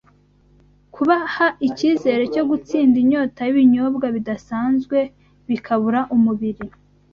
kubaha icyizere cyo gutsinda inyota y’ibinyobwa bidasanzwe bikabura umubiri